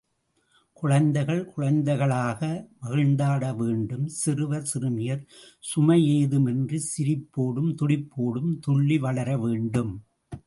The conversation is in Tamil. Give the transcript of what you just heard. குழந்தைகள் குழந்தைகளாக மகிழ்ந்தாட வேண்டும், சிறுவர் சிறுமியர் சுமையேதுமின்றிச் சிரிப்போடும் துடிப்போடும் துள்ளி வளர வேண்டும்.